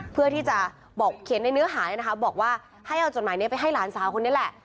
เพื่อที่จะบอกเขียนในเนื้อหาเลยนะคะบอกว่าให้เอาจดหมายนี้ไปให้หลานสาวคนนี้แหละ